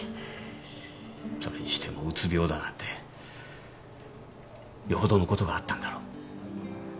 それにしてもうつ病だなんてよほどのことがあったんだろ？